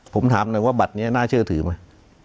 ผมถามหน่อยว่าบัตรนี้น่าเชื่อถือไหม